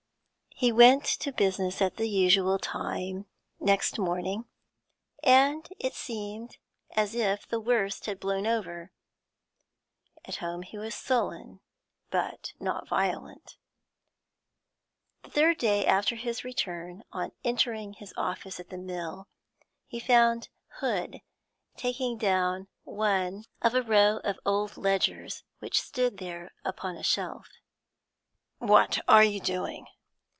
He went to business at the usual time next morning, and it seemed as if the worst had blown over; at home he was sullen, but not violent. The third day after his return, on entering his office at the mill, he found Hood taking down one of a row of old ledgers which stood there upon a shelf. 'What are you doing?'